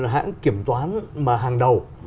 hãng kiểm toán mà hàng đầu